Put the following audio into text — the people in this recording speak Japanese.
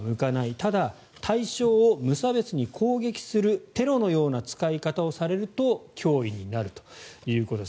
ただ、対象を無差別に攻撃するテロのような使い方をされると脅威になるということです。